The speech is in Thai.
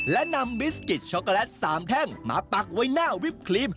และนำบิสกิตช็อกโกแลต๓แท่งมาปักไว้หน้าวิปครีม